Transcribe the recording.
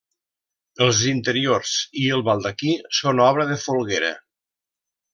Els interiors i el Baldaquí són obra de Folguera.